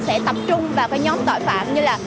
sẽ tập trung vào cái nhóm tội phạm như là